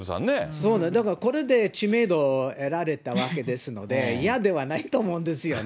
そうね、だからこれで知名度得られたわけですので、嫌ではないと思うんですよね。